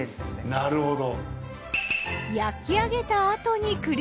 なるほど。